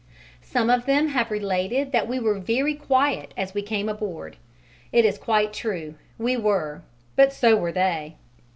Some of them have related that we were very quiet as we came aboard: it is quite true, we were; but so were they.